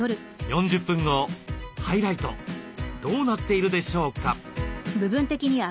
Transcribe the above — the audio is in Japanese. ハイライトどうなっているでしょうか？